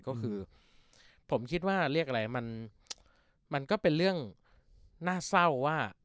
ก็คือผมคิดว่าเรียกอะไรมันก็เป็นเรื่องน่าเศร้าว่า